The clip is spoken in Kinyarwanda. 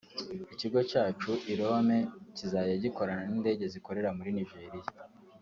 Ikigo cyacu i Lomé kizajya gikorana n’indege zikorera muri Nigeria